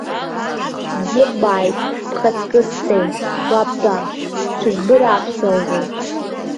Бзиа ббааит, бхаҵкы сцеит, уа бтәа, бҽызбырааԥсозеи!